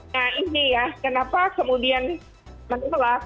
nah ini ya kenapa kemudian menolak